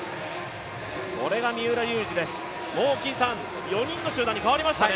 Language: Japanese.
これが三浦龍司です、４人の集団に変わりましたね。